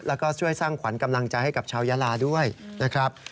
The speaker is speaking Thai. แล้วก็ช่วยสร้างขวัญกำลังใจให้กับชาวยาลาด้วยนะครับ